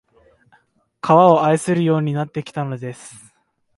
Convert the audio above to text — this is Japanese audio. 川を愛するようになってきたのです